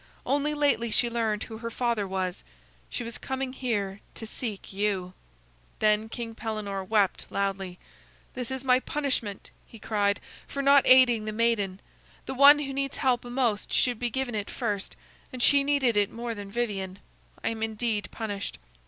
Only lately she learned who her father was. She was coming here to seek you." Then King Pellenore wept loudly. "This is my punishment," he cried, "for not aiding the maiden. The one who needs help most should be given it first, and she needed it more than Vivien. I am indeed punished."